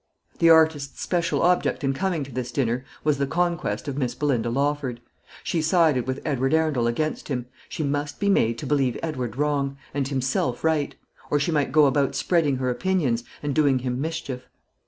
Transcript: The artist's special object in coming to this dinner was the conquest of Miss Belinda Lawford: she sided with Edward Arundel against him: she must be made to believe Edward wrong, and himself right; or she might go about spreading her opinions, and doing him mischief.